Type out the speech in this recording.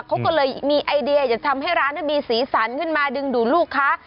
เขาก็เลยมีไอเดียจะทำให้ร้านมีสีสันขึ้นมาดึงดูดลูกค้า